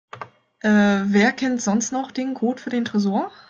Wer kennt sonst noch den Code für den Tresor?